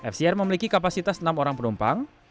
fcr memiliki kapasitas enam orang penumpang